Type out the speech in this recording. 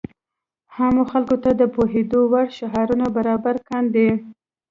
عامو خلکو ته د پوهېدو وړ شعارونه برابر کاندي.